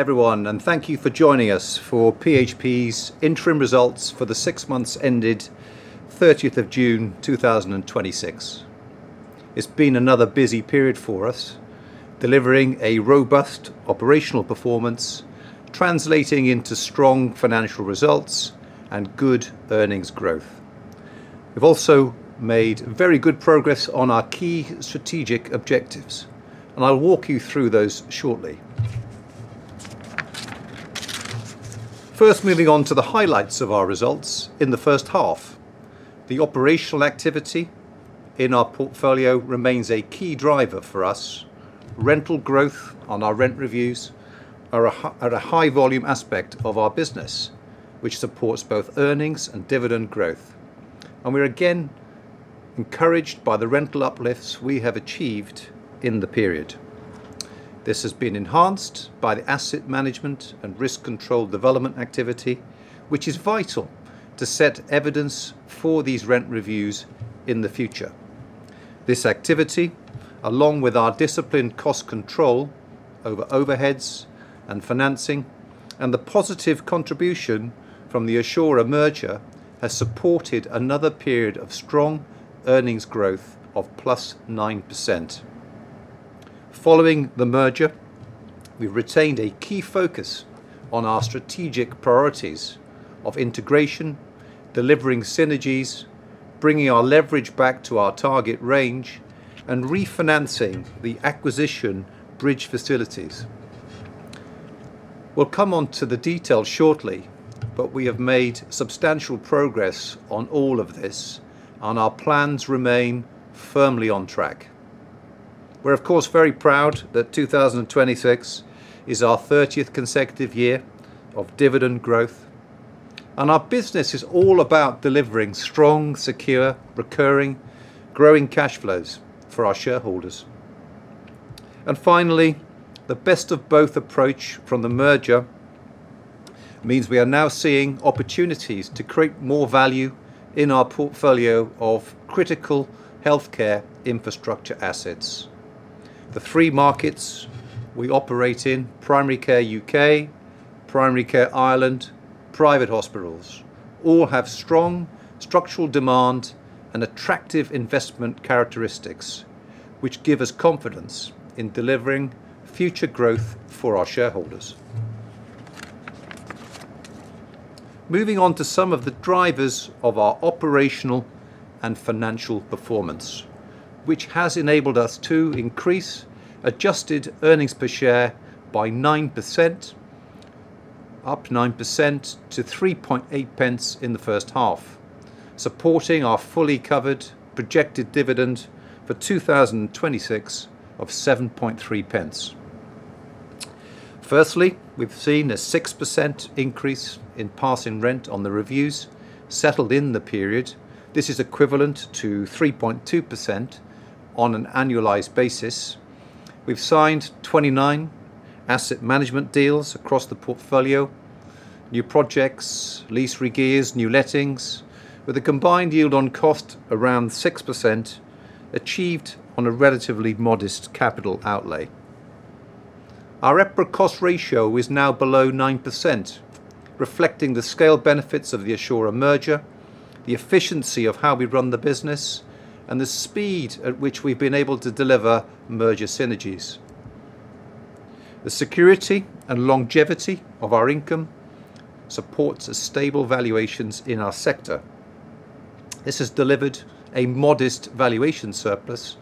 Everyone, thank you for joining us for PHP's interim results for the six months ended 30th of June 2026. It's been another busy period for us, delivering a robust operational performance, translating into strong financial results and good earnings growth. We've also made very good progress on our key strategic objectives, and I'll walk you through those shortly. First, moving on to the highlights of our results in the H1. The operational activity in our portfolio remains a key driver for us. Rental growth on our rent reviews are a high volume aspect of our business, which supports both earnings and dividend growth. We're again encouraged by the rental uplifts we have achieved in the period. This has been enhanced by the asset management and risk control development activity, which is vital to set evidence for these rent reviews in the future. This activity, along with our disciplined cost control over overheads and financing, and the positive contribution from the Assura merger, has supported another period of strong earnings growth of +9%. Following the merger, we've retained a key focus on our strategic priorities of integration, delivering synergies, bringing our leverage back to our target range, and refinancing the acquisition bridge facilities. We'll come onto the details shortly. We have made substantial progress on all of this. Our plans remain firmly on track. We're of course very proud that 2026 is our 30th consecutive year of dividend growth. Our business is all about delivering strong, secure, recurring, growing cash flows for our shareholders. Finally, the best of both approach from the merger means we are now seeing opportunities to create more value in our portfolio of critical healthcare infrastructure assets. The three markets we operate in, primary care U.K., primary care Ireland, private hospitals, all have strong structural demand and attractive investment characteristics, which give us confidence in delivering future growth for our shareholders. Moving on to some of the drivers of our operational and financial performance, which has enabled us to increase adjusted earnings per share by 9%. Up 9% to 0.038 in the H1, supporting our fully covered projected dividend for 2026 of 0.073. Firstly, we've seen a 6% increase in passing rent on the reviews settled in the period. This is equivalent to 3.2% on an annualized basis. We've signed 29 asset management deals across the portfolio. New projects, lease re-gears, new lettings, with a combined yield on cost around 6%, achieved on a relatively modest capital outlay. Our EPRA cost ratio is now below 9%, reflecting the scale benefits of the Assura merger, the efficiency of how we run the business, and the speed at which we've been able to deliver merger synergies. The security and longevity of our income supports the stable valuations in our sector. This has delivered a modest valuation surplus.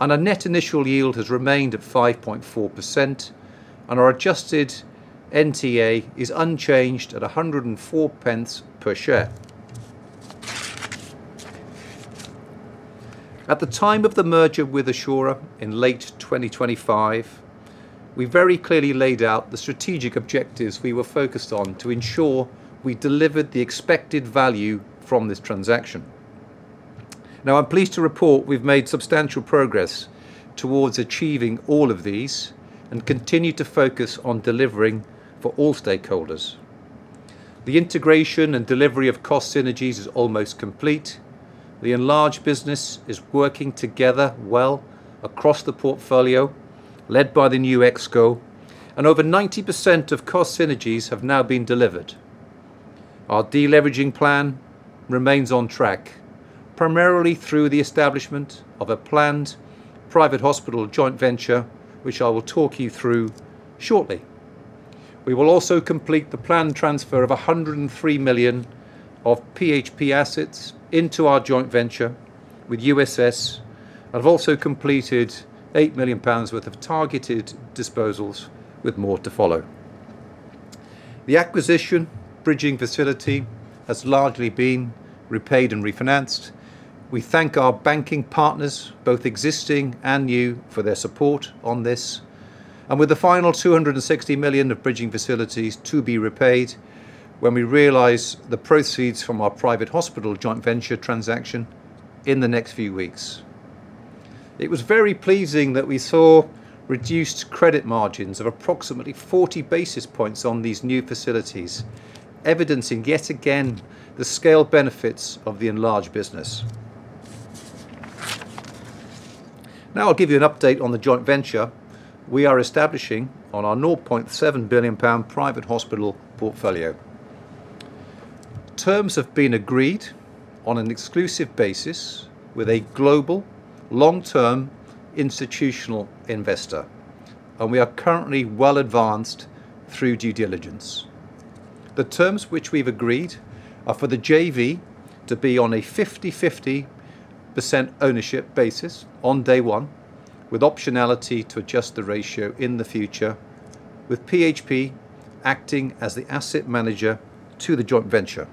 Our net initial yield has remained at 5.4%. Our adjusted NTA is unchanged at 1.04 per share. At the time of the merger with Assura in late 2025, we very clearly laid out the strategic objectives we were focused on to ensure we delivered the expected value from this transaction. I'm pleased to report we've made substantial progress towards achieving all of these. Continue to focus on delivering for all stakeholders. The integration and delivery of cost synergies is almost complete. The enlarged business is working together well across the portfolio, led by the new ExCo, and over 90% of cost synergies have now been delivered. Our de-leveraging plan remains on track, primarily through the establishment of a planned private hospital joint venture, which I will talk you through shortly. We will also complete the planned transfer of GBP 103 million of PHP assets into our joint venture with USS, and have also completed 8 million pounds worth of targeted disposals, with more to follow. The acquisition bridging facility has largely been repaid and refinanced. We thank our banking partners, both existing and new for their support on this. With the final 260 million of bridging facilities to be repaid when we realize the proceeds from our private hospital joint venture transaction in the next few weeks. It was very pleasing that we saw reduced credit margins of approximately 40 basis points on these new facilities, evidencing yet again the scale benefits of the enlarged business. I'll give you an update on the joint venture we are establishing on our 0.7 billion pound private hospital portfolio. Terms have been agreed on an exclusive basis with a global, long-term institutional investor, and we are currently well advanced through due diligence. The terms which we've agreed are for the JV to be on a 50/50 ownership basis on day one, with optionality to adjust the ratio in the future, with PHP acting as the asset manager to the joint venture.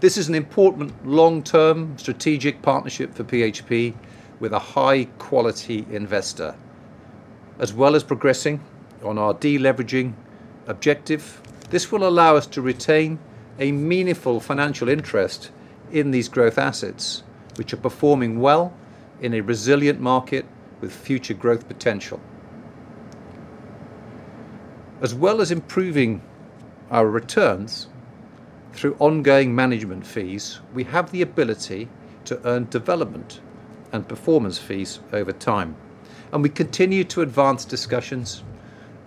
This is an important long-term strategic partnership for PHP with a high-quality investor. As well as progressing on our de-leveraging objective, this will allow us to retain a meaningful financial interest in these growth assets, which are performing well in a resilient market with future growth potential. As well as improving our returns through ongoing management fees, we have the ability to earn development and performance fees over time. We continue to advance discussions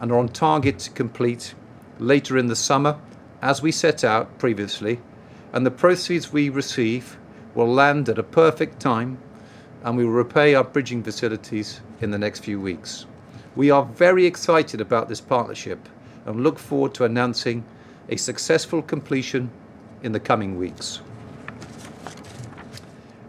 and are on target to complete later in the summer as we set out previously. The proceeds we receive will land at a perfect time, and we will repay our bridging facilities in the next few weeks. We are very excited about this partnership and look forward to announcing a successful completion in the coming weeks.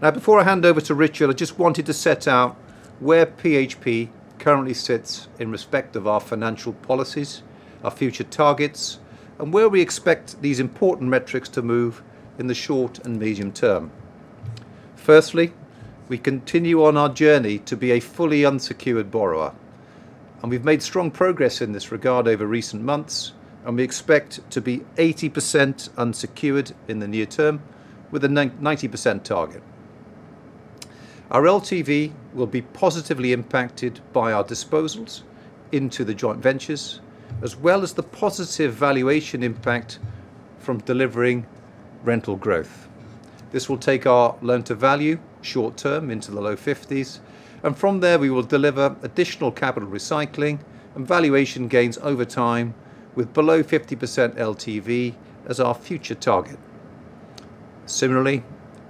Before I hand over to Richard, I just wanted to set out where PHP currently sits in respect of our financial policies, our future targets, and where we expect these important metrics to move in the short and medium term. Firstly, we continue on our journey to be a fully unsecured borrower, and we've made strong progress in this regard over recent months, and we expect to be 80% unsecured in the near term with a 90% target. Our LTV will be positively impacted by our disposals into the joint ventures, as well as the positive valuation impact from delivering rental growth. This will take our loan-to-value short term into the low 50s, and from there, we will deliver additional capital recycling and valuation gains over time with below 50% LTV as our future target. Similarly,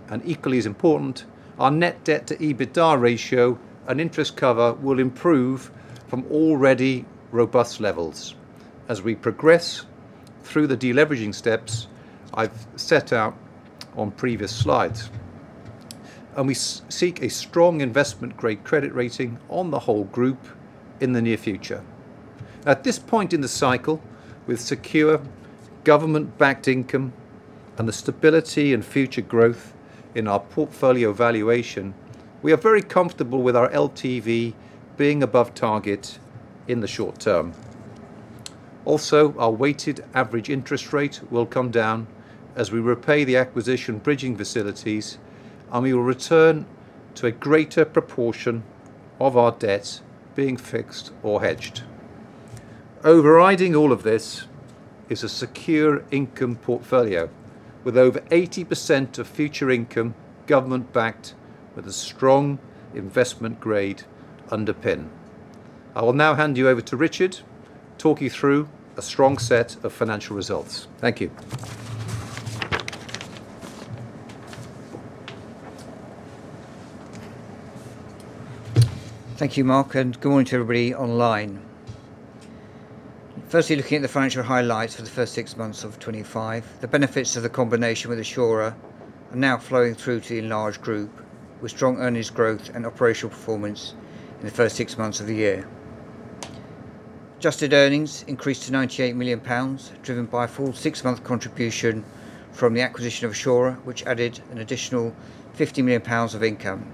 and equally as important, our net debt to EBITDA ratio and interest cover will improve from already robust levels as we progress through the de-leveraging steps I've set out on previous slides. We seek a strong investment-grade credit rating on the whole group in the near future. At this point in the cycle, with secure government-backed income and the stability and future growth in our portfolio valuation, we are very comfortable with our LTV being above target in the short term. Our weighted average interest rate will come down as we repay the acquisition bridging facilities, and we will return to a greater proportion of our debt being fixed or hedged. Overriding all of this is a secure income portfolio with over 80% of future income government-backed with a strong investment-grade underpin. I will now hand you over to Richard to talk you through a strong set of financial results. Thank you. Thank you, Mark, and good morning to everybody online. Firstly, looking at the financial highlights for the first six months of 2025. The benefits of the combination with Assura are now flowing through to the enlarged group with strong earnings growth and operational performance in the first six months of the year. Adjusted earnings increased to 98 million pounds, driven by a full six-month contribution from the acquisition of Assura, which added an additional 50 million pounds of income.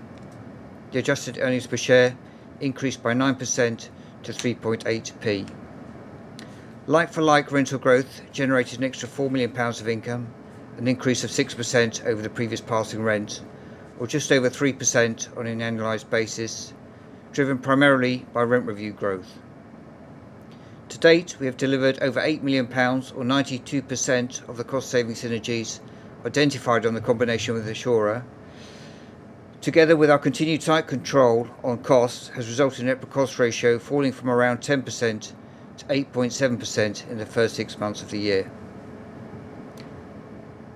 The adjusted earnings per share increased by 9% to 0.038. Like for like rental growth generated an extra 4 million pounds of income, an increase of 6% over the previous passing rent, or just over 3% on an annualized basis, driven primarily by rent review growth. To date, we have delivered over 8 million pounds or 92% of the cost-saving synergies identified on the combination with Assura. Together with our continued tight control on costs, has resulted in net per cost ratio falling from around 10%-8.7% in the first six months of the year.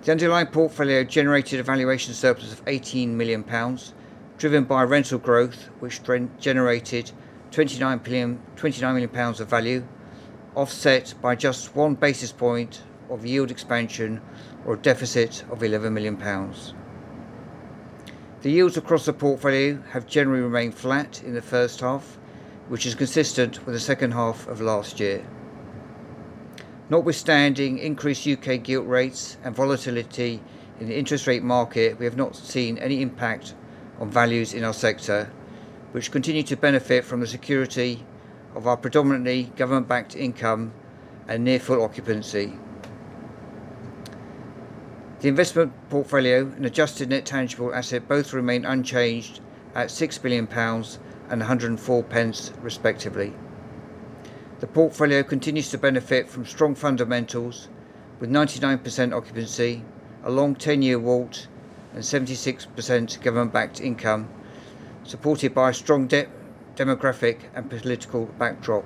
The underlying portfolio generated a valuation surplus of 18 million pounds, driven by rental growth, which generated 29 million pounds of value, offset by just one basis point of yield expansion or a deficit of 11 million pounds. The yields across the portfolio have generally remained flat in the H1, which is consistent with the H2 of last year. Notwithstanding increased U.K. gilt rates and volatility in the interest rate market, we have not seen any impact on values in our sector, which continue to benefit from the security of our predominantly government-backed income and near full occupancy. The investment portfolio and adjusted net tangible asset both remain unchanged at 6 billion pounds and 1.04 respectively. The portfolio continues to benefit from strong fundamentals with 99% occupancy, a long 10-year WAULT, and 76% government-backed income, supported by a strong debt, demographic, and political backdrop.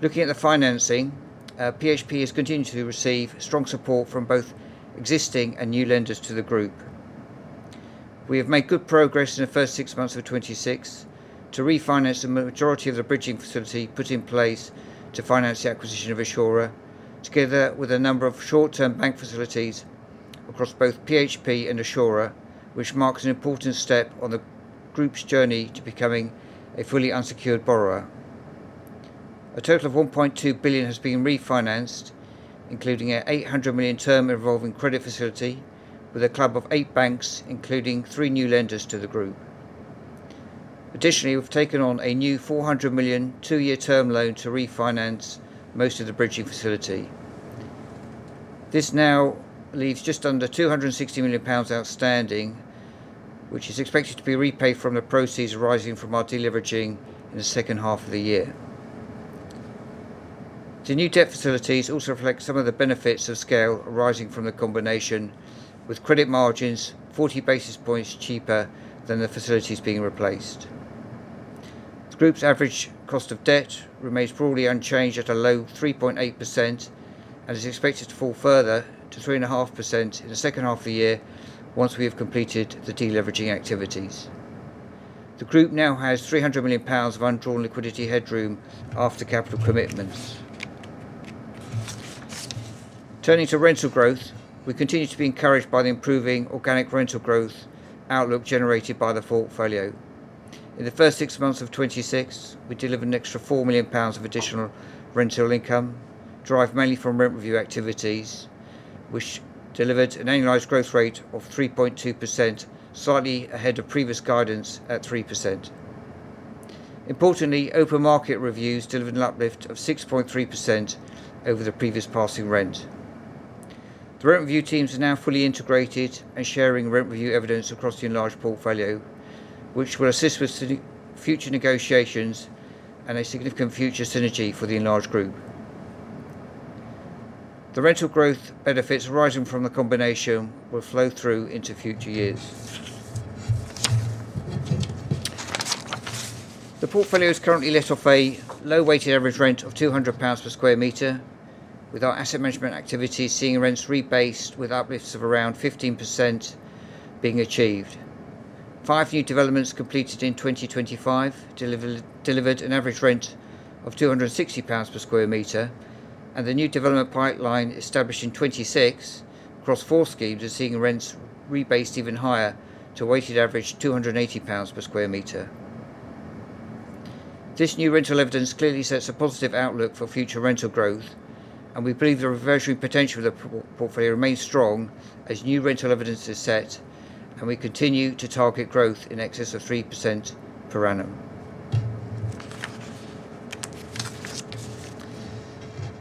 Looking at the financing, PHP has continued to receive strong support from both existing and new lenders to the group. We have made good progress in the first six months of 2026 to refinance the majority of the bridging facility put in place to finance the acquisition of Assura, together with a number of short-term bank facilities across both PHP and Assura, which marks an important step on the group's journey to becoming a fully unsecured borrower. A total of 1.2 billion has been refinanced, including an 800 million term involving credit facility with a club of eight banks, including three new lenders to the group. We've taken on a new 400 million, two-year term loan to refinance most of the bridging facility. This now leaves just under 260 million pounds outstanding, which is expected to be repaid from the proceeds arising from our deleveraging in the H2 of the year. The new debt facilities also reflect some of the benefits of scale arising from the combination with credit margins 40 basis points cheaper than the facilities being replaced. The group's average cost of debt remains broadly unchanged at a low 3.8% and is expected to fall further to 3.5% in the H2 of the year once we have completed the deleveraging activities. The group now has 300 million pounds of undrawn liquidity headroom after capital commitments. Turning to rental growth, we continue to be encouraged by the improving organic rental growth outlook generated by the portfolio. In the first six months of 2026, we delivered an extra 4 million pounds of additional rental income, derived mainly from rent review activities, which delivered an annualized growth rate of 3.2%, slightly ahead of previous guidance at 3%. Open market reviews delivered an uplift of 6.3% over the previous passing rent. The rent review teams are now fully integrated and sharing rent review evidence across the enlarged portfolio, which will assist with future negotiations and a significant future synergy for the enlarged group. The rental growth benefits arising from the combination will flow through into future years. The portfolio is currently let off a low weighted average rent of 200 pounds per square meter, with our asset management activities seeing rents rebased with uplifts of around 15% being achieved. Five new developments completed in 2025, delivered an average rent of 260 pounds per square meter. The new development pipeline established in 2026 across four schemes is seeing rents rebased even higher to a weighted average of 280 pounds per square meter. This new rental evidence clearly sets a positive outlook for future rental growth. We believe the reversionary potential of the portfolio remains strong as new rental evidence is set. We continue to target growth in excess of 3% per annum.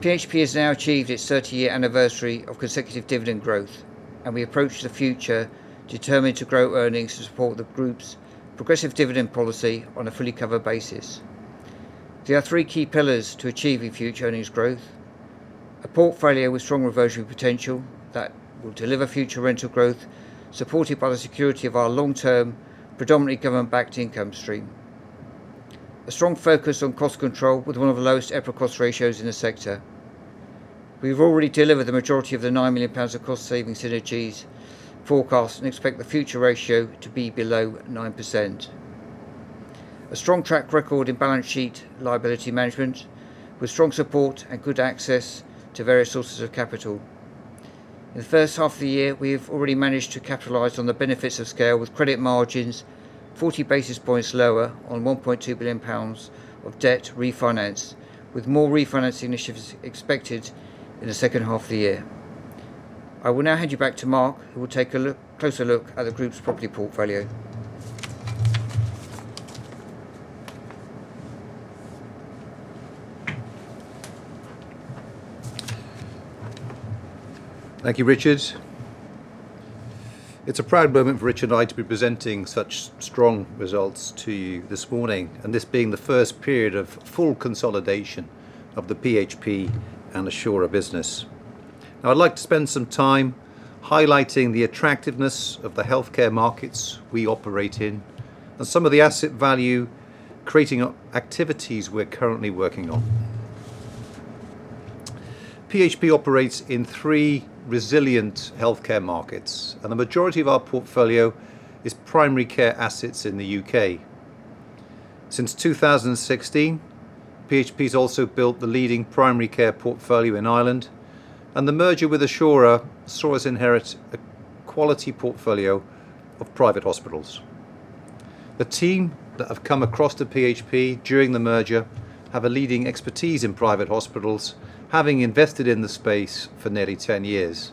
PHP has now achieved its 30-year anniversary of consecutive dividend growth. We approach the future determined to grow earnings to support the group's progressive dividend policy on a fully covered basis. There are three key pillars to achieving future earnings growth. A portfolio with strong reversionary potential that will deliver future rental growth, supported by the security of our long-term, predominantly government-backed income stream. A strong focus on cost control with one of the lowest EPRA cost ratios in the sector. We've already delivered the majority of the 9 million pounds of cost-saving synergies forecast and expect the future ratio to be below 9%. A strong track record in balance sheet liability management with strong support and good access to various sources of capital. In the H1 of the year, we've already managed to capitalize on the benefits of scale with credit margins 40 basis points lower on 1.2 billion pounds of debt refinance, with more refinancing initiatives expected in the H2 of the year. I will now hand you back to Mark, who will take a closer look at the group's property portfolio. Thank you, Richard. It's a proud moment for Richard and I to be presenting such strong results to you this morning, and this being the first period of full consolidation of the PHP and Assura business. Now I'd like to spend some time highlighting the attractiveness of the healthcare markets we operate in and some of the asset value-creating activities we're currently working on. PHP operates in three resilient healthcare markets, and the majority of our portfolio is primary care assets in the U.K. Since 2016, PHP's also built the leading primary care portfolio in Ireland, and the merger with Assura saw us inherit a quality portfolio of private hospitals. The team that have come across to PHP during the merger have a leading expertise in private hospitals, having invested in the space for nearly 10 years.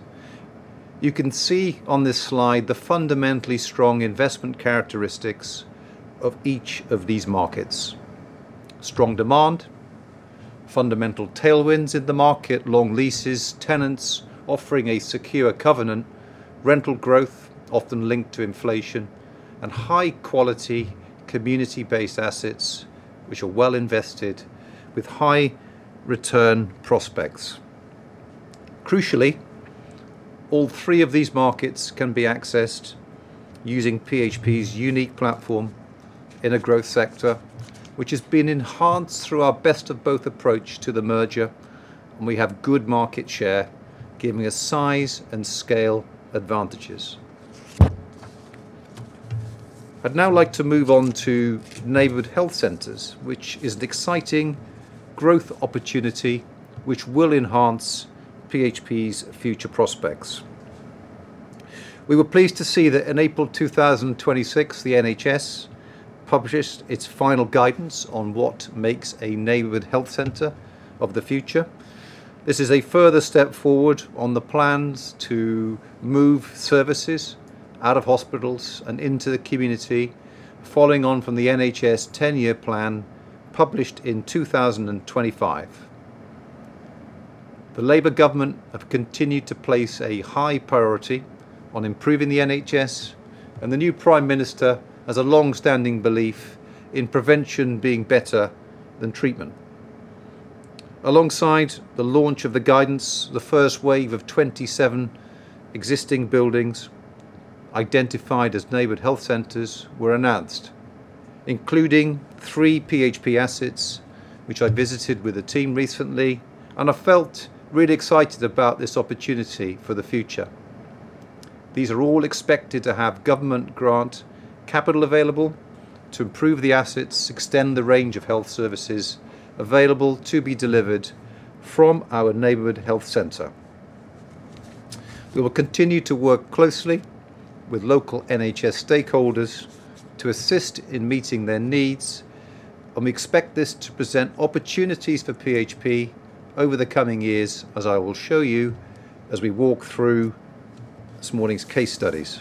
You can see on this slide the fundamentally strong investment characteristics of each of these markets. Strong demand Fundamental tailwinds in the market, long leases, tenants offering a secure covenant, rental growth often linked to inflation, and high-quality community-based assets which are well invested with high return prospects. Crucially, all three of these markets can be accessed using PHP's unique platform in a growth sector, which has been enhanced through our best of both approach to the merger, and we have good market share, giving us size and scale advantages. I'd now like to move on to neighbourhood health centres, which is an exciting growth opportunity which will enhance PHP's future prospects. We were pleased to see that in April 2026, the NHS published its final guidance on what makes a neighbourhood health centre of the future. This is a further step forward on the plans to move services out of hospitals and into the community, following on from the NHS 10-year plan, published in 2025. The Labour government have continued to place a high priority on improving the NHS, and the new Prime Minister has a longstanding belief in prevention being better than treatment. Alongside the launch of the guidance the first wave of 27 existing buildings identified as neighborhood health centers were announced, including three PHP assets which I visited with the team recently. And, I felt really excited about this opportunity for the future. These are all expected to have government grant capital available to improve the assets, extend the range of health services available to be delivered from our neighborhood health center. We will continue to work closely with local NHS stakeholders to assist in meeting their needs. We expect this to present opportunities for PHP over the coming years, as I will show you as we walk through this morning's case studies.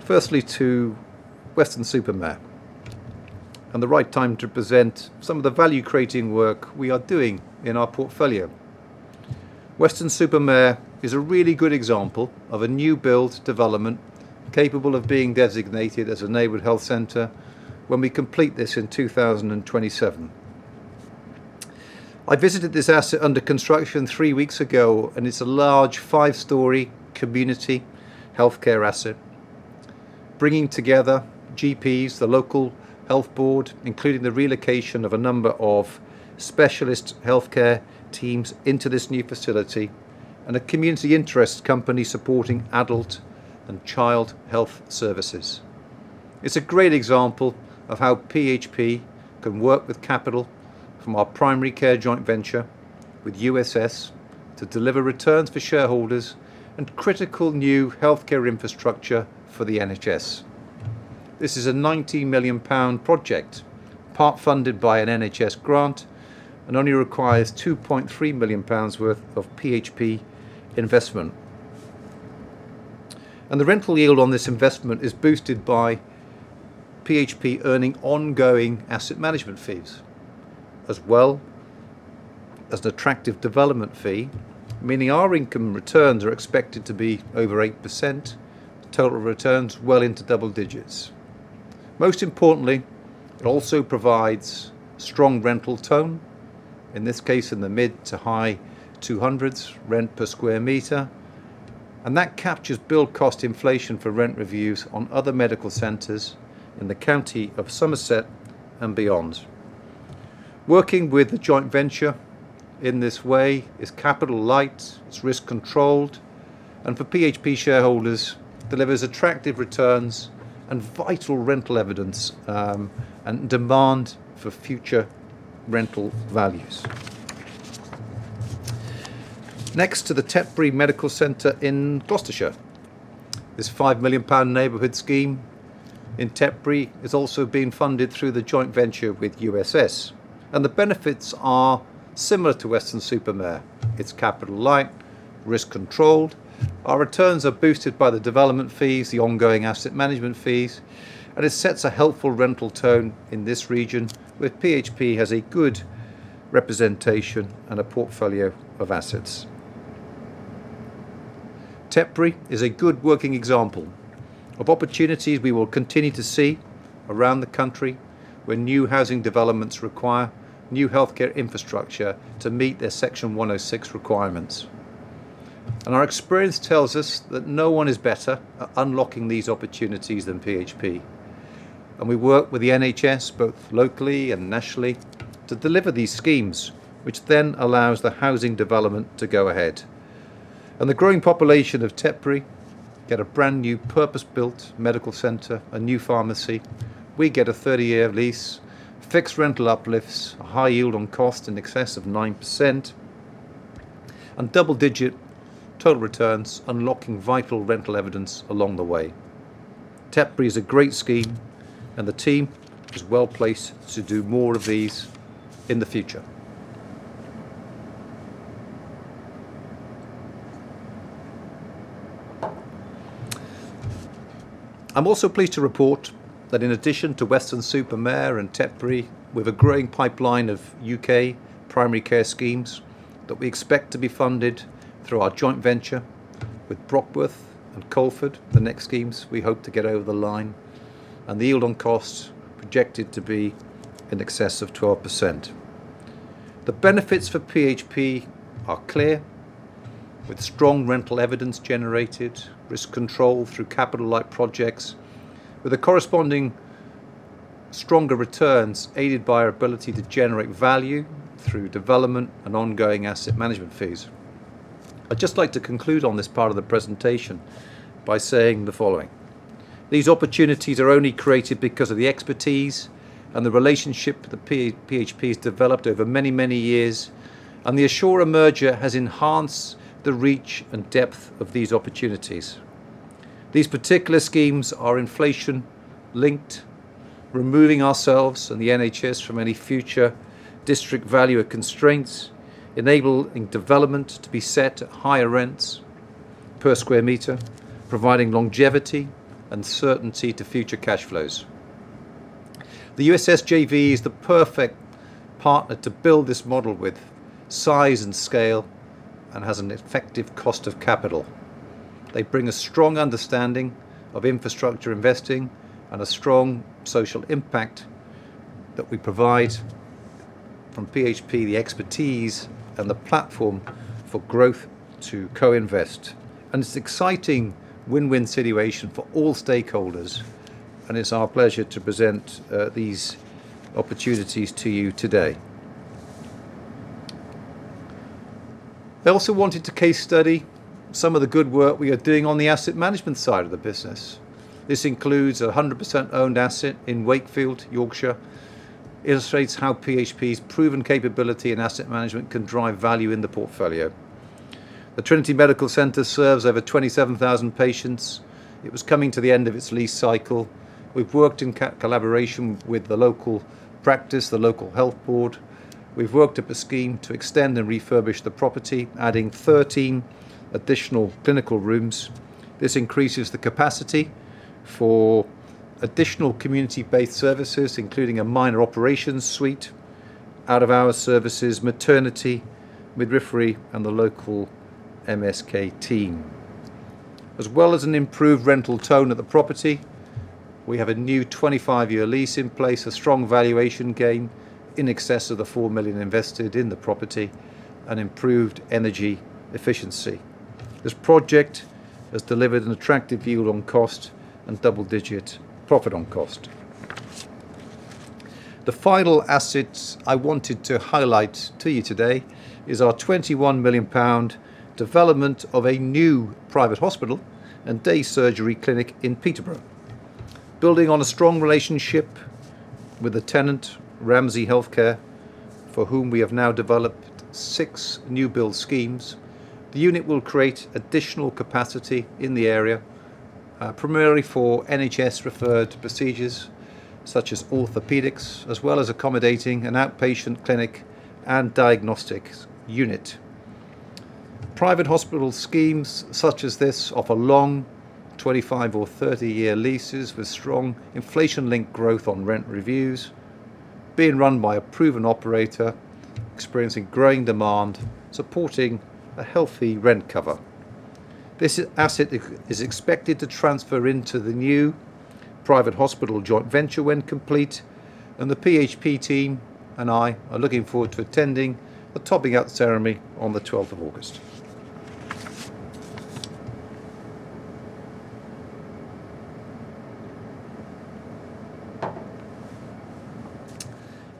Firstly, to Weston-super-Mare. The right time to present some of the value-creating work we are doing in our portfolio. Weston-super-Mare is a really good example of a new build development capable of being designated as a neighborhood health center when we complete this in 2027. I visited this asset under construction three weeks ago. It's a large five-story community healthcare asset bringing together GPs, the local health board, including the relocation of a number of specialist healthcare teams into this new facility and a community interest company supporting adult and child health services. It's a great example of how PHP can work with capital from our primary care joint venture with USS to deliver returns for shareholders and critical new healthcare infrastructure for the NHS. This is a 90 million pound project, part-funded by an NHS grant, and only requires 2.3 million pounds worth of PHP investment. The rental yield on this investment is boosted by PHP earning ongoing asset management fees as well as an attractive development fee, meaning our income returns are expected to be over 8%, total returns well into double digits. Most importantly, it also provides strong rental tone, in this case, in the mid to high 200s rent per square meter, and that captures build cost inflation for rent reviews on other medical centers in the county of Somerset and beyond. Working with a joint venture in this way is capital light, it's risk-controlled, and for PHP shareholders, delivers attractive returns and vital rental evidence, and demand for future rental values. Next to the Tetbury Medical Center in Gloucestershire. This 5 million pound neighborhood scheme in Tetbury is also being funded through the joint venture with USS, and the benefits are similar to Weston-super-Mare. It's capital light, risk-controlled. Our returns are boosted by the development fees the ongoing asset management fees, and it sets a helpful rental tone in this region where PHP has a good representation and a portfolio of assets. Tetbury is a good working example of opportunities we will continue to see around the country where new housing developments require new healthcare infrastructure to meet their Section 106 requirements. Our experience tells us that no one is better at unlocking these opportunities than PHP. We work with the NHS, both locally and nationally to deliver these schemes, which then allows the housing development to go ahead. The growing population of Tetbury get a brand-new purpose-built medical center, a new pharmacy. We get a 30-year lease, fixed rental uplifts, a high yield on cost in excess of 9%, and double-digit total returns, unlocking vital rental evidence along the way. Tetbury is a great scheme, and the team is well-placed to do more of these in the future. I am also pleased to report that in addition to Weston-super-Mare and Tetbury, with a growing pipeline of U.K. primary care schemes that we expect to be funded through our joint venture with Brockworth and Coleford, the next schemes we hope to get over the line and the yield on costs projected to be in excess of 12%. The benefits for PHP are clear, with strong rental evidence generated, risk control through capital-light projects, with corresponding stronger returns aided by our ability to generate value through development and ongoing asset management fees. I would just like to conclude on this part of the presentation by saying the following. These opportunities are only created because of the expertise and the relationship that PHP has developed over many, many years, and the Assura merger has enhanced the reach and depth of these opportunities. These particular schemes are inflation-linked, removing ourselves and the NHS from any future district valuer constraints, enabling development to be set at higher rents per square meter, providing longevity and certainty to future cash flows. The USS JV is the perfect partner to build this model with size and scale, and has an effective cost of capital. They bring a strong understanding of infrastructure investing and a strong social impact that we provide from PHP, the expertise, and the platform for growth to co-invest. It is an exciting win-win situation for all stakeholders, and it is our pleasure to present these opportunities to you today. I also wanted to case study some of the good work we are doing on the asset management side of the business. This includes a 100%-owned asset in Wakefield, Yorkshire. It illustrates how PHP's proven capability in asset management can drive value in the portfolio. The Trinity Medical Center serves over 27,000 patients. It was coming to the end of its lease cycle. We have worked in collaboration with the local practice, the local health board. We have worked up a scheme to extend and refurbish the property, adding 13 additional clinical rooms. This increases the capacity for additional community-based services, including a minor operations suite, out-of-hours services, maternity, midwifery, and the local MSK team. As well as an improved rental tone of the property, we have a new 25-year lease in place, a strong valuation gain in excess of the 4 million invested in the property, and improved energy efficiency. This project has delivered an attractive yield on cost and double-digit profit on cost. The final asset I wanted to highlight to you today is our 21 million pound development of a new private hospital and day surgery clinic in Peterborough. Building on a strong relationship with the tenant, Ramsay Health Care, for whom we have now developed six new build schemes. The unit will create additional capacity in the area. Primarily for NHS referred procedures such as orthopedics, as well as accommodating an outpatient clinic and diagnostics unit. Private hospital schemes such as this offer long 25 or 30 year leases with strong inflation-linked growth on rent reviews, being run by a proven operator, experiencing growing demand, supporting a healthy rent cover. This asset is expected to transfer into the new private hospital joint venture when complete, and the PHP team and I are looking forward to attending the topping out ceremony on the 12th of August.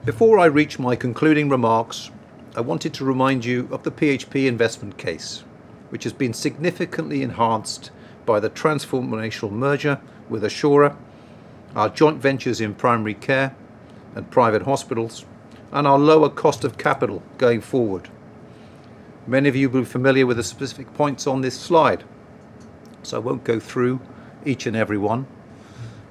Before I reach my concluding remarks, I wanted to remind you of the PHP investment case, which has been significantly enhanced by the transformational merger with Assura, our joint ventures in primary care and private hospitals, and our lower cost of capital going forward. Many of you will be familiar with the specific points on this slide, I won't go through each and every one,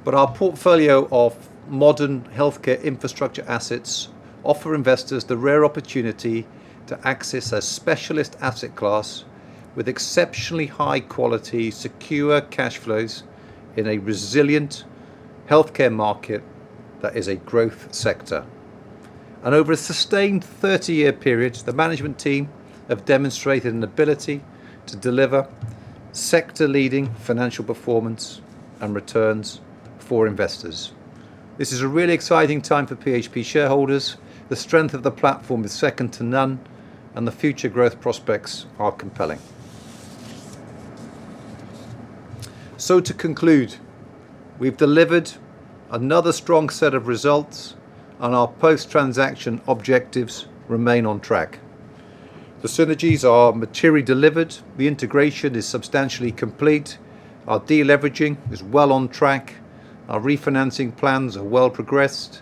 but our portfolio of modern healthcare infrastructure assets offer investors the rare opportunity to access a specialist asset class with exceptionally high quality, secure cash flows in a resilient healthcare market that is a growth sector. Over a sustained 30-year period, the management team have demonstrated an ability to deliver sector-leading financial performance and returns for investors. This is a really exciting time for PHP shareholders. The strength of the platform is second to none and the future growth prospects are compelling. To conclude, we've delivered another strong set of results and our post-transaction objectives remain on track. The synergies are materially delivered. The integration is substantially complete. Our de-leveraging is well on track. Our refinancing plans are well progressed,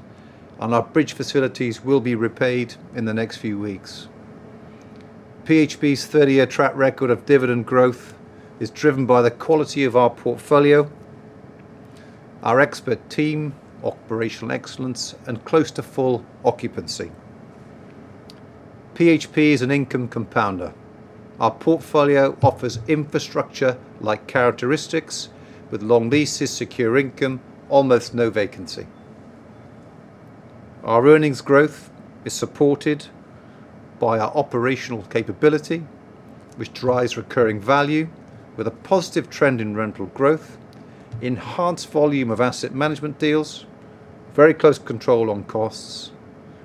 our bridge facilities will be repaid in the next few weeks. PHP's 30-year track record of dividend growth is driven by the quality of our portfolio Our expert team, operational excellence and close to full occupancy. PHP is an income compounder. Our portfolio offers infrastructure-like characteristics with long leases, secure income, almost no vacancy. Our earnings growth is supported by our operational capability, which drives recurring value with a positive trend in rental growth, enhanced volume of asset management deals, very close control on costs,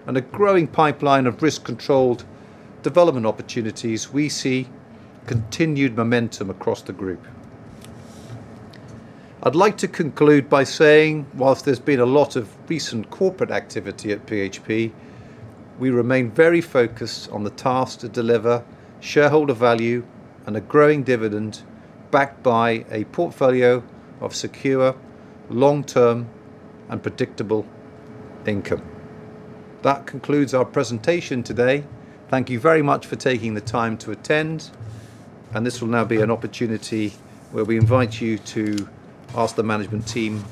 a growing pipeline of risk-controlled development opportunities we see continued momentum across the group. I'd like to conclude by saying whilst there's been a lot of recent corporate activity at PHP, we remain very focused on the task to deliver shareholder value and a growing dividend backed by a portfolio of secure, long-term, and predictable income. That concludes our presentation today. Thank you very much for taking the time to attend, this will now be an opportunity where we invite you to ask the management team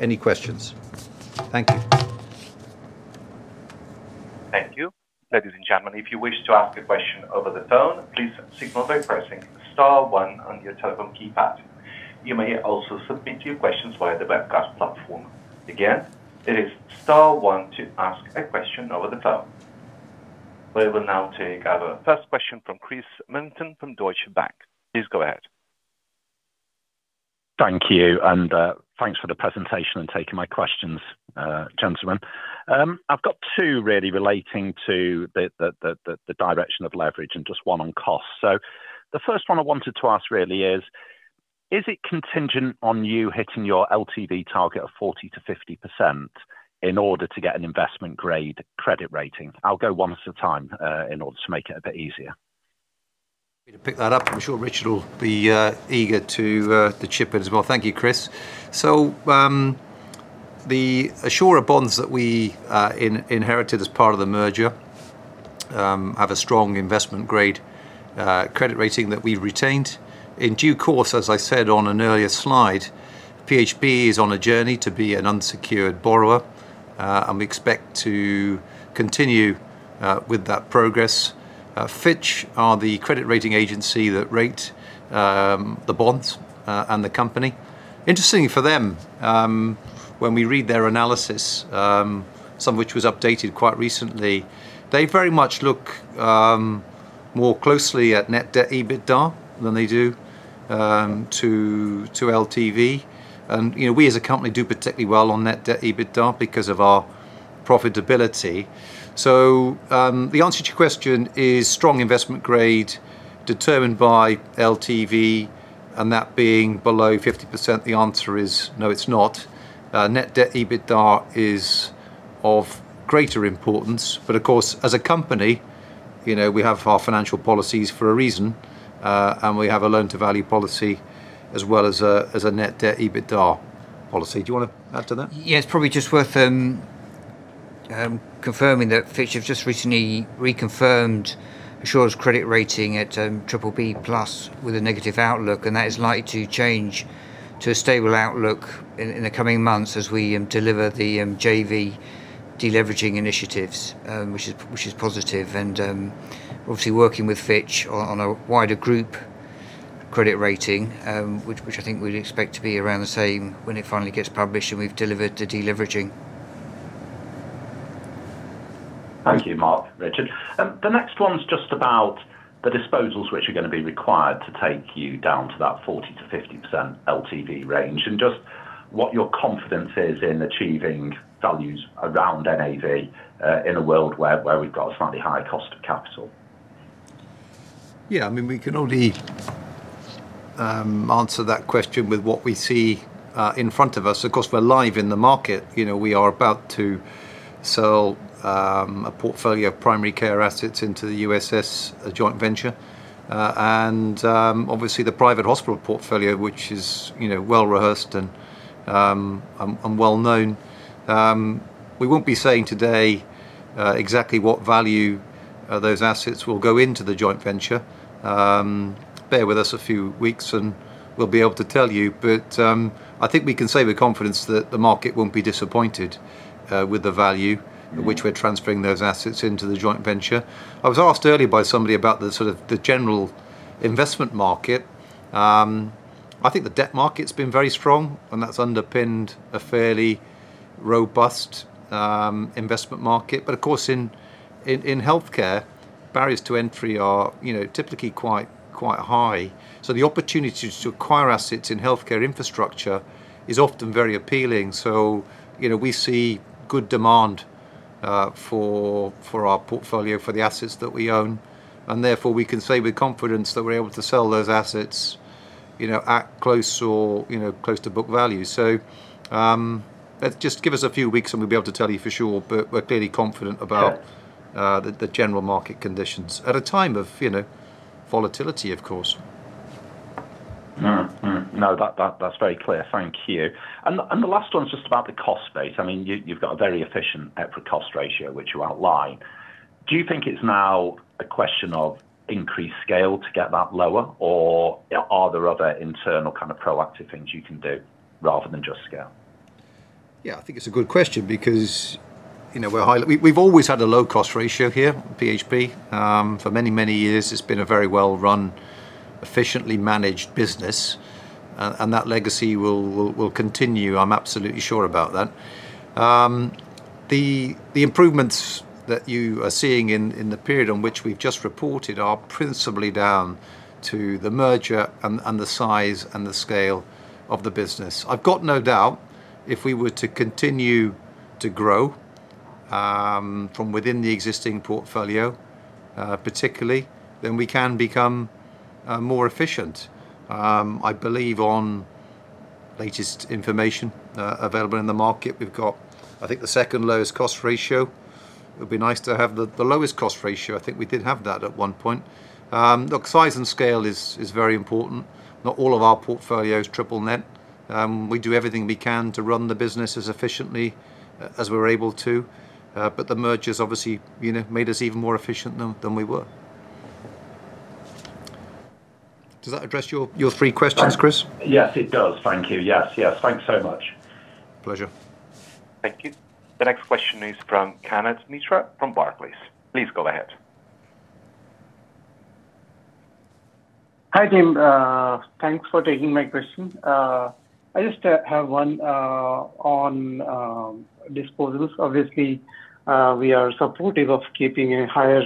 any questions. Thank you. Thank you. Ladies and gentlemen, if you wish to ask a question over the phone, please signal by pressing star, one on your telephone keypad. You may also submit your questions via the webcast platform. Again, it is star one to ask a question over the phone. We will now take our first question from Chris Millington from Deutsche Bank. Please go ahead. Thank you. Thanks for the presentation and taking my questions, gentlemen. I've got two really relating to the direction of leverage and just one on cost. The first one I wanted to ask really is it contingent on you hitting your LTV target of 40%-50% in order to get an investment-grade credit rating? I'll go one at a time, in order to make it a bit easier. Me to pick that up. I'm sure Richard will be eager to chip in as well. Thank you, Chris. The Assura bonds that we inherited as part of the merger have a strong investment-grade credit rating that we've retained. In due course, as I said on an earlier slide PHP is on a journey to be an unsecured borrower, and we expect to continue with that progress. Fitch are the credit rating agency that rate the bonds and the company. Interesting for them, when we read their analysis, some of which was updated quite recently, they very much look more closely at net debt EBITDA than they do to LTV. We as a company do particularly well on net debt EBITDA because of our profitability. The answer to your question is strong investment grade determined by LTV and that being below 50%, the answer is no, it's not. Net debt EBITDA is of greater importance, but of course, as a company, we have our financial policies for a reason. We have a loan-to-value policy as well as a net debt EBITDA policy. Do you want to add to that? Yeah. It's probably just worth confirming that Fitch have just recently reconfirmed Assura's credit rating at BBB+ with a negative outlook, and that is likely to change to a stable outlook in the coming months as we deliver the JV deleveraging initiatives, which is positive and obviously working with Fitch on a wider group credit rating, which I think we'd expect to be around the same when it finally gets published and we've delivered the deleveraging. Thank you, Mark, Richard. The next one's just about the disposals which are going to be required to take you down to that 40%-50% LTV range. Just what your confidence is in achieving values around NAV in a world where we've got a slightly higher cost of capital. Yeah, we can only answer that question with what we see in front of us. Of course, we're live in the market. We are about to sell a portfolio of primary care assets into the USS joint venture. Obviously the private hospital portfolio, which is well rehearsed and well known. We won't be saying today exactly what value those assets will go into the joint venture. Bear with us a few weeks and we'll be able to tell you. I think we can say with confidence that the market won't be disappointed with the value at which we're transferring those assets into the joint venture. I was asked earlier by somebody about the general investment market. I think the debt market's been very strong, and that's underpinned a fairly robust investment market. Of course in healthcare, barriers to entry are typically quite high. The opportunities to acquire assets in healthcare infrastructure is often very appealing. We see good demand for our portfolio, for the assets that we own. Therefore we can say with confidence that we're able to sell those assets at close to book value. Just give us a few weeks and we'll be able to tell you for sure. We're clearly confident about the general market conditions at a time of volatility, of course. No, that's very clear. Thank you. The last one's just about the cost base. You've got a very efficient EPRA cost ratio, which you outline. Do you think it's now a question of increased scale to get that lower? Are there other internal proactive things you can do rather than just scale? Yeah, I think it's a good question because we've always had a low cost ratio here at PHP. For many, many years, it's been a very well-run, efficiently managed business, and that legacy will continue. I'm absolutely sure about that. The improvements that you are seeing in the period on which we've just reported are principally down to the merger and the size and the scale of the business. I've got no doubt if we were to continue to grow, from within the existing portfolio, particularly, then we can become more efficient. I believe on latest information available in the market, we've got I think, the second lowest cost ratio. It would be nice to have the lowest cost ratio. I think we did have that at one point. Look, size and scale is very important. Not all of our portfolio is triple net. We do everything we can to run the business as efficiently as we're able to. The merger's obviously made us even more efficient than we were. Does that address your three questions, Chris? Yes, it does. Thank you. Yes. Thanks so much. Pleasure. Thank you. The next question is from Kanad Mitra from Barclays. Please go ahead. Hi, team. Thanks for taking my question. I just have one on disposals. Obviously, we are supportive of keeping a higher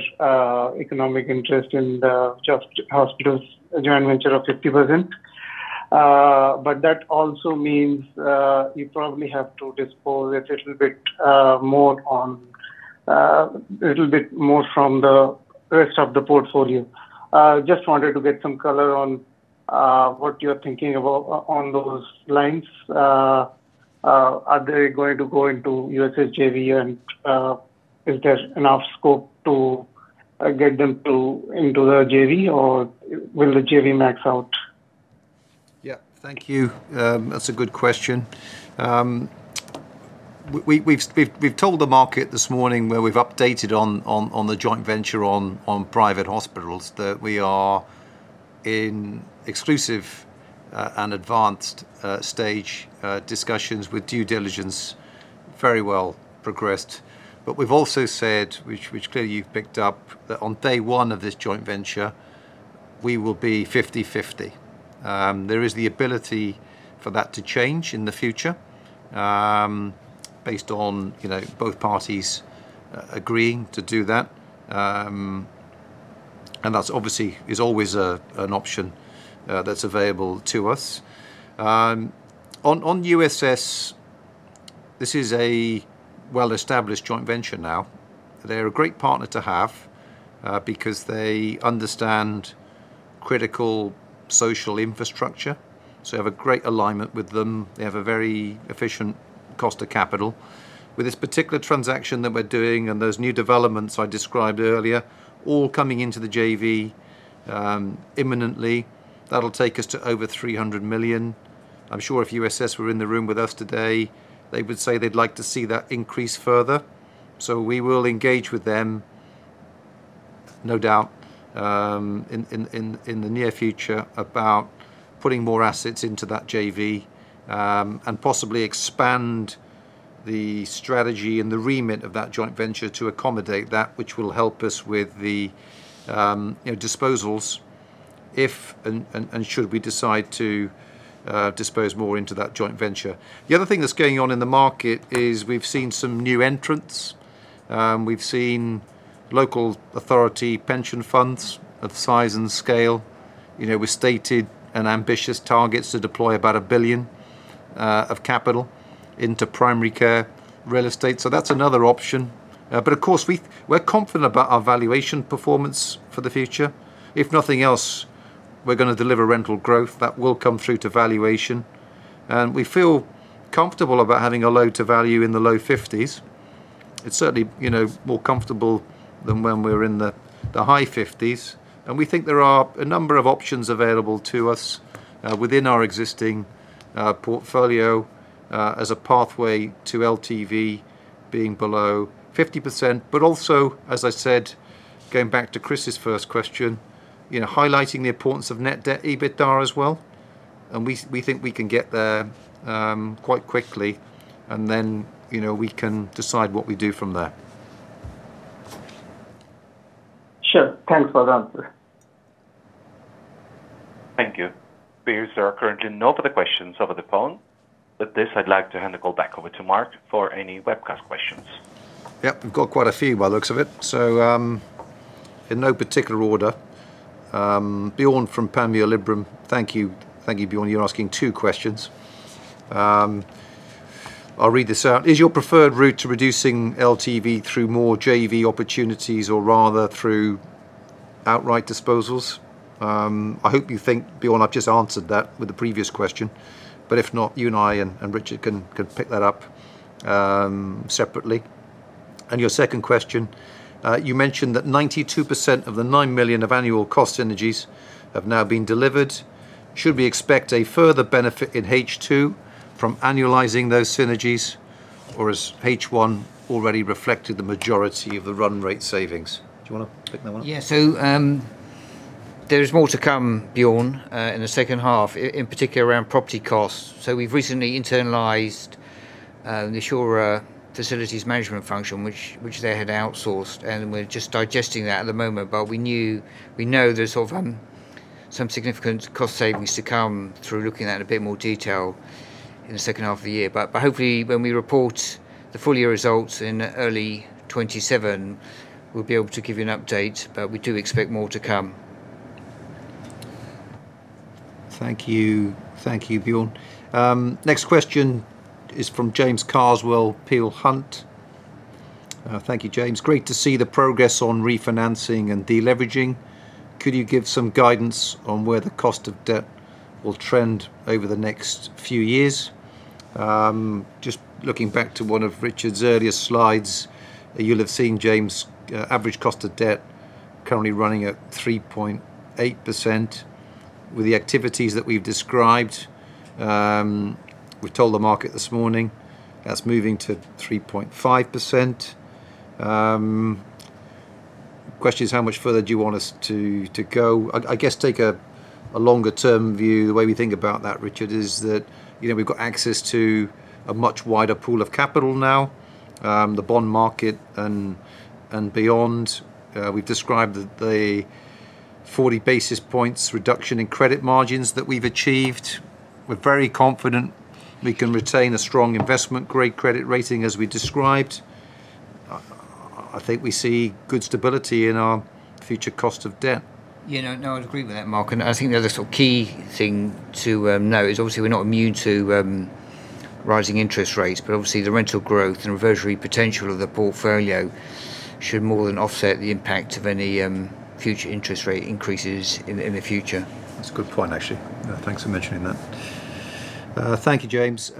economic interest in the hospitals joint venture of 50%. That also means you probably have to dispose a little bit more from the rest of the portfolio. Just wanted to get some color on what you're thinking on those lines. Are they going to go into USS JV, and is there enough scope to get them into the JV, or will the JV max out? Yeah, thank you. That's a good question. We've told the market this morning where we've updated on the joint venture on private hospitals, that we are in exclusive and advanced stage discussions with due diligence very well progressed. We've also said, which clearly you've picked up, that on day one of this joint venture we will be 50/50. There is the ability for that to change in the future, based on both parties agreeing to do that. That obviously is always an option that's available to us. On USS, this is a well-established joint venture now. They're a great partner to have because they understand critical social infrastructure, so we have a great alignment with them. They have a very efficient cost of capital. With this particular transaction that we're doing and those new developments I described earlier, all coming into the JV imminently, that'll take us to over 300 million. I'm sure if USS were in the room with us today, they would say they'd like to see that increase further. We will engage with them no doubt, in the near future about putting more assets into that JV. Possibly expand the strategy and the remit of that joint venture to accommodate that, which will help us with the disposals if and should we decide to dispose more into that joint venture. The other thing that's going on in the market is we've seen some new entrants. We've seen local authority pension funds of size and scale with stated and ambitious targets to deploy about 1 billion of capital into primary care real estate. That's another option. Of course, we're confident about our valuation performance for the future. If nothing else, we're going to deliver rental growth that will come through to valuation. We feel comfortable about having a load to value in the low 50s. It's certainly more comfortable than when we were in the high 50s. We think there are a number of options available to us within our existing portfolio as a pathway to LTV being below 50%. Also, as I said, going back to Chris' first question, highlighting the importance of net debt EBITDA as well. We think we can get there quite quickly. Then we can decide what we do from there. Sure. Thanks for the answer. Thank you. It appears there are currently no further questions over the phone. With this, I'd like to hand the call back over to Mark for any webcast questions. Yep. We've got quite a few by the looks of it. In no particular order, Bjorn from Panmure Gordon. Thank you, Bjorn. You're asking two questions. I'll read this out. Is your preferred route to reducing LTV through more JV opportunities or rather through outright disposals? I hope you think Bjorn, I've just answered that with the previous question, but if not, you and I and Richard can pick that up separately. Your second question. You mentioned that 92% of the 9 million of annual cost synergies have now been delivered. Should we expect a further benefit in H2 from annualizing those synergies, or has H1 already reflected the majority of the run rate savings? Do you want to pick that one up? There is more to come, Bjorn, in the H2 in particular around property costs. We've recently internalized the Assura facilities management function, which they had outsourced, and we're just digesting that at the moment. We know there's some significant cost savings to come through looking at it in a bit more detail in the H2 of the year. Hopefully, when we report the full year results in early 2027, we'll be able to give you an update, but we do expect more to come. Thank you, Bjorn. Next question is from James Carswell, Peel Hunt. Thank you, James. Great to see the progress on refinancing and deleveraging. Could you give some guidance on where the cost of debt will trend over the next few years? Just looking back to one of Richard's earlier slides, you'll have seen, James, average cost of debt currently running at 3.8%. With the activities that we've described, we've told the market this morning, that's moving to 3.5%. Question is how much further do you want us to go? I guess take a longer term view. The way we think about that, Richard is that we've got access to a much wider pool of capital now the bond market and beyond. We've described the 40 basis points reduction in credit margins that we've achieved. We're very confident we can retain a strong investment grade credit rating, as we described. I think we see good stability in our future cost of debt. No, I would agree with that, Mark, I think the other key thing to note is obviously we're not immune to rising interest rates, but obviously the rental growth and reversionary potential of the portfolio should more than offset the impact of any future interest rate increases in the future. That's a good point, actually. Thanks for mentioning that. Thank you, James.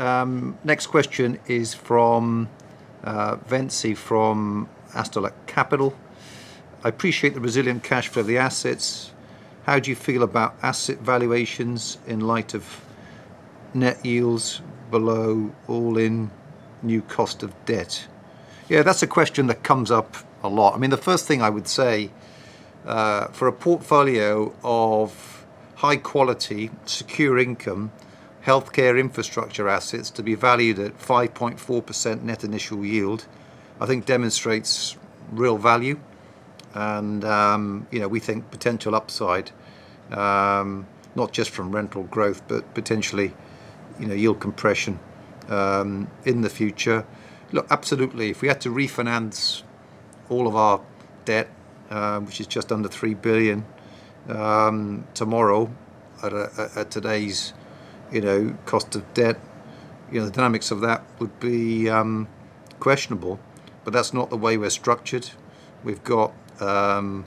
Next question is from Vensi from Astella Capital. I appreciate the resilient cash flow of the assets. How do you feel about asset valuations in light of net yields below all in new cost of debt? That's a question that comes up a lot. The first thing I would say, for a portfolio of high quality, secure income, healthcare infrastructure assets to be valued at 5.4% net initial yield, I think demonstrates real value. We think potential upside not just from rental growth, but potentially yield compression in the future. Look, absolutely, if we had to refinance all of our debt, which is just under 3 billion, tomorrow at today's cost of debt the dynamics of that would be questionable. That's not the way we're structured. We've got a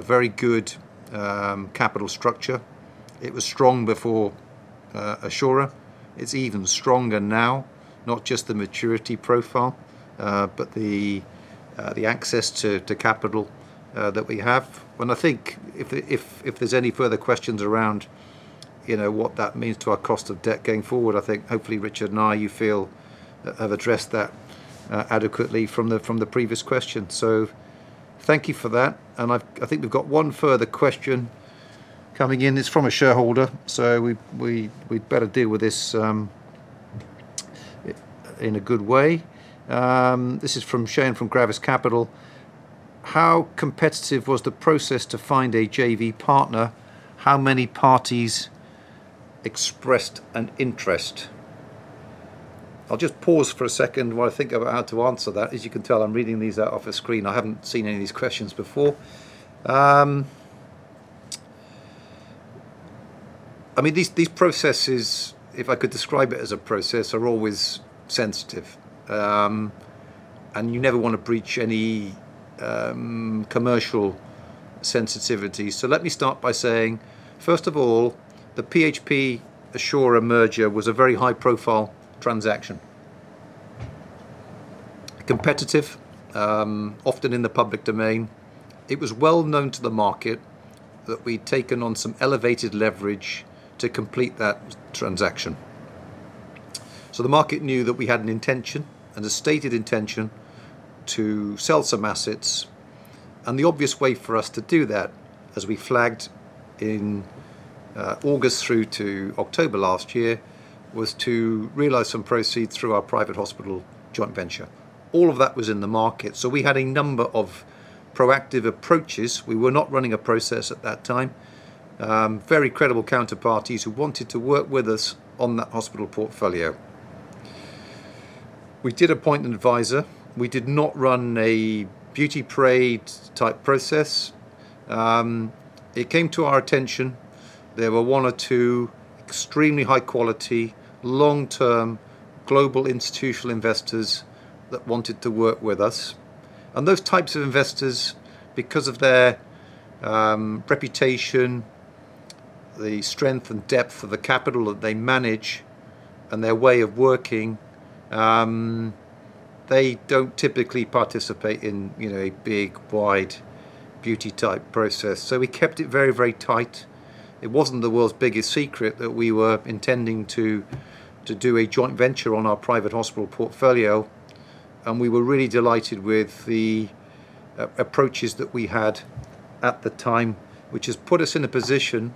very good capital structure. It was strong before Assura. It's even stronger now. Not just the maturity profile, but the access to capital that we have. I think if there's any further questions around what that means to our cost of debt going forward, I think hopefully Richard and I, you feel have addressed that adequately from the previous question. Thank you for that, I think we've got one further question coming in. It's from a shareholder, so we'd better deal with this in a good way. This is from Shane from Gravis Capital. How competitive was the process to find a JV partner? How many parties expressed an interest? I'll just pause for one second while I think of how to answer that. As you can tell, I'm reading these out off a screen. I haven't seen any of these questions before. These processes, if I could describe it as a process are always sensitive. You never want to breach any commercial sensitivity. Let me start by saying, first of all, the PHP Assura merger was a very high profile transaction. Competitive, often in the public domain. It was well known to the market that we'd taken on some elevated leverage to complete that transaction. The market knew that we had an intention and a stated intention to sell some assets, and the obvious way for us to do that, as we flagged in August through to October last year, was to realize some proceeds through our private hospital joint venture. All of that was in the market, so we had a number of proactive approaches. We were not running a process at that time. Very credible counterparties who wanted to work with us on that hospital portfolio. We did appoint an advisor. We did not run a beauty parade type process. It came to our attention there were one or two extremely high quality, long-term, global institutional investors that wanted to work with us. Those types of investors, because of their reputation, the strength and depth of the capital that they manage, and their way of working, they don't typically participate in a big, wide beauty type process. We kept it very tight. It wasn't the world's biggest secret that we were intending to do a joint venture on our private hospital portfolio. We were really delighted with the approaches that we had at the time, which has put us in a position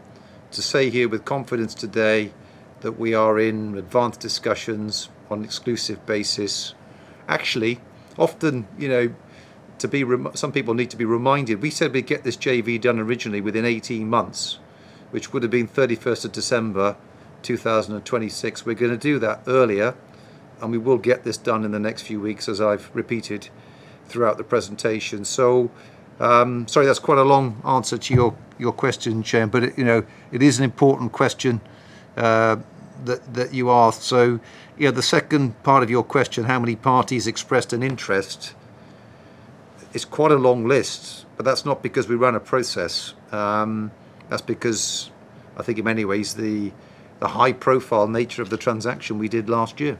to say here with confidence today that we are in advanced discussions on an exclusive basis. Often, some people need to be reminded. We said we'd get this JV done originally within 18 months, which would have been 31st of December 2026. We're going to do that earlier, and we will get this done in the next few weeks, as I've repeated throughout the presentation. That's quite a long answer to your question Shane, it is an important question that you asked. The second part of your question, how many parties expressed an interest? It's quite a long list, that's not because we ran a process. That's because, I think, in many ways, the high profile nature of the transaction we did last year.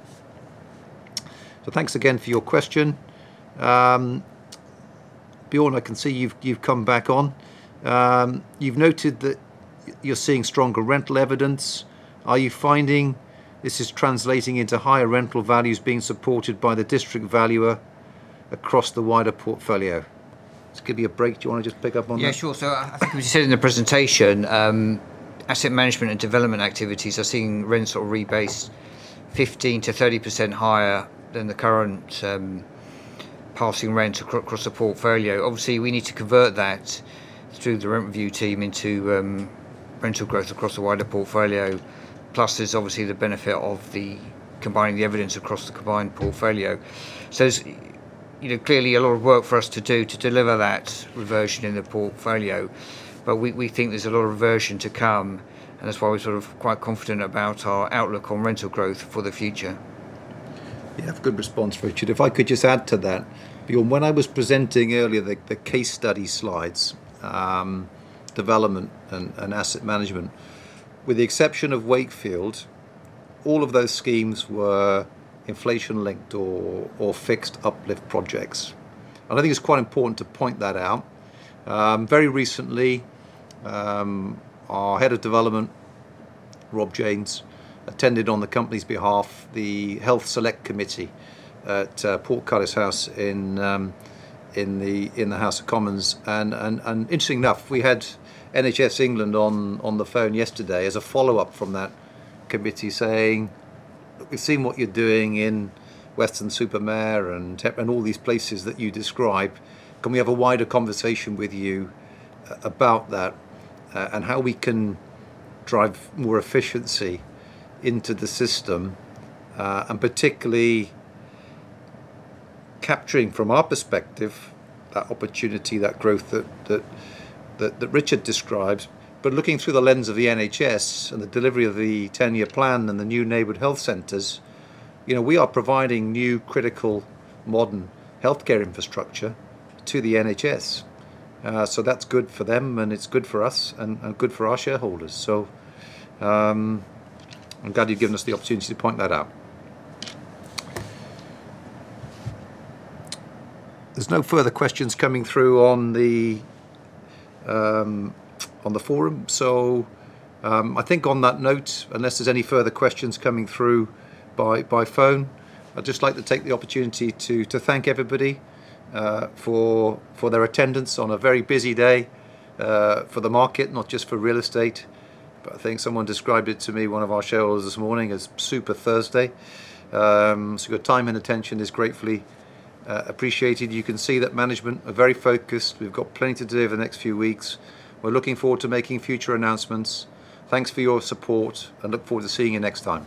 Thanks again for your question. Bjorn, I can see you've come back on. You've noted that you're seeing stronger rental evidence. Are you finding this is translating into higher rental values being supported by the district valuer across the wider portfolio? This could be a break. Do you want to just pick up on that? Yeah, sure. I think we said in the presentation, asset management and development activities are seeing rental rebase 15%-30% higher than the current passing rent across the portfolio. We need to convert that through the rent review team into rental growth across the wider portfolio. There's obviously the benefit of combining the evidence across the combined portfolio. Clearly a lot of work for us to do to deliver that reversion in the portfolio, but we think there's a lot of reversion to come, and that's why we're sort of quite confident about our outlook on rental growth for the future. Yeah. Good response, Richard. If I could just add to that, Bjorn. When I was presenting earlier, the case study slides, development, and asset management. With the exception of Wakefield, all of those schemes were inflation-linked or fixed uplift projects, and I think it's quite important to point that out. Very recently, our Head of Development, Rob James, attended on the company's behalf, the Health Select Committee at Portcullis House in the House of Commons. Interesting enough, we had NHS England on the phone yesterday as a follow-up from that committee saying, "Look, we've seen what you're doing in Weston-super-Mare and all these places that you describe. Can we have a wider conversation with you about that, and how we can drive more efficiency into the system?" Particularly capturing from our perspective that opportunity, that growth that Richard described. Looking through the lens of the NHS and the delivery of the 10-year plan and the new neighborhood health centers, we are providing new critical, modern healthcare infrastructure to the NHS. That's good for them and it's good for us and good for our shareholders. I'm glad you've given us the opportunity to point that out. There's no further questions coming through on the forum. I think on that note, unless there's any further questions coming through by phone, I'd just like to take the opportunity to thank everybody for their attendance on a very busy day for the market, not just for real estate. I think someone described it to me. One of our shareholders this morning, as Super Thursday. Your time and attention is gratefully appreciated. You can see that management are very focused. We've got plenty to do over the next few weeks. We're looking forward to making future announcements. Thanks for your support and look forward to seeing you next time.